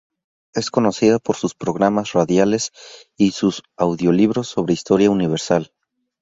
Es conocida por sus programas radiales y sus audiolibros sobre historia universal.